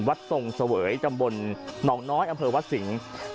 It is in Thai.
ทรงเสวยตำบลหนองน้อยอำเภอวัดสิงศ์